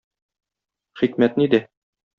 Хикмәт нидә?